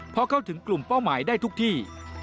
พอเข้าถึงกลุ่มเป้าหมายได้ทุกที่